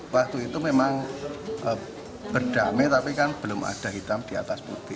waktu itu memang berdamai tapi kan belum ada hitam di atas putih